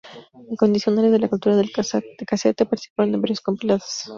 Incondicionales de la cultura del casete, participaron un varios compilados.